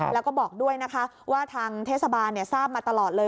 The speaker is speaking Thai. แล้วก็บอกด้วยนะคะว่าทางเทศบาลทราบมาตลอดเลย